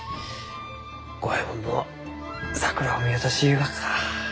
五右衛門も桜を見渡しゆうがか。